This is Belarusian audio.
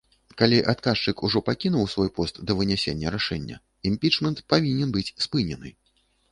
Калі адказчык ужо пакінуў свой пост да вынясення рашэння, імпічмент павінен быць спынены.